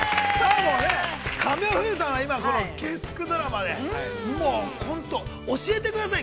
神尾楓珠さんは今、この月９ドラマで月９ドラマで教えてください。